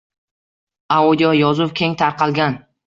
Audio yozuv keng tarqalgan